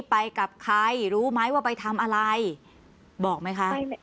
ไปกับใครรู้ไหมว่าไปทำอะไรบอกไหมคะ